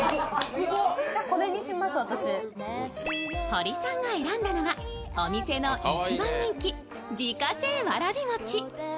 堀さんが選んだのはお店の一番人気、自家製わらび餅。